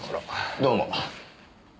どうも。